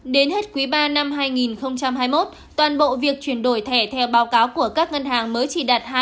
đến hết quý ba năm hai nghìn hai mươi một toàn bộ việc chuyển đổi thẻ theo báo cáo của các ngân hàng mới chỉ đạt hai